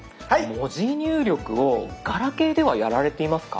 文字入力をガラケーではやられていますか？